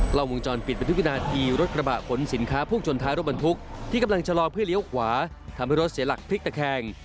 กล้องวงจรปิดบันทึกวินาทีรถกระบะขนสินค้าพุ่งชนท้ายรถบรรทุกที่กำลังชะลอเพื่อเลี้ยวขวาทำให้รถเสียหลักพลิกตะแคง